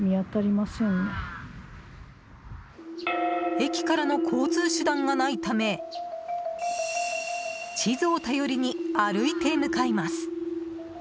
駅からの交通手段がないため地図を頼りに歩いて向かいます。